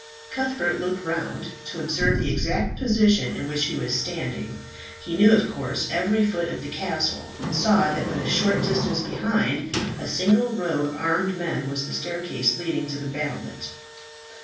Cuthbert looked round to observe the exact position in which he was standing. He knew, of course, every foot of the castle, and saw that but a short distance behind a single row of armed men was the staircase leading to the battlements.